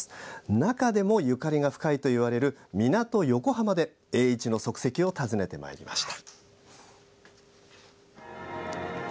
中でもゆかりが深いといわれる港・横浜で栄一の足跡を訪ねました。